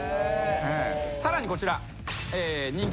さらにこちら。